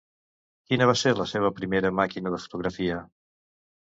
Quina va ser la seva primera màquina de fotografia?